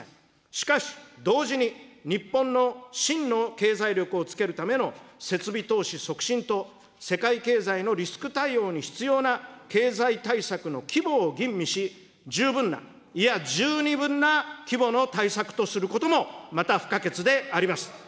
しかし、同時に、日本の真の経済力をつけるための設備投資促進と、世界経済のリスク対応に必要な経済対策の規模を吟味し、十分な、いや十二分な規模の対策とすることも、また不可欠であります。